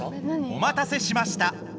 ・おまたせしました！